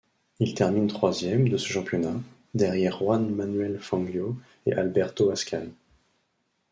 Il termine troisième de ce championnat, derrière Juan Manuel Fangio et Alberto Ascari.